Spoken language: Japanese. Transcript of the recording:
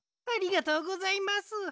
ありがとうございます。